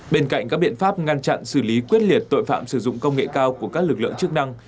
bên cạnh các biện pháp ngăn chặn xử lý quyết liệt tội phạm sử dụng công nghệ cao của các lực lượng chức năng